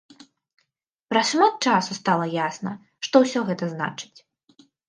Праз шмат часу стала ясна, што ўсё гэта значыць.